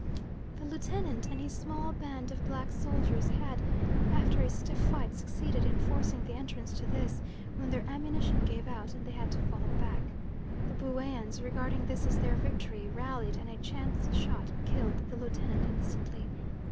The lieutenant and his small band of black soldiers had, after a stiff fight, succeeded in forcing the entrance to this, when their ammunition gave out, and they had to fall back. The Bueans, regarding this as their victory, rallied, and a chance shot killed the lieutenant instantly.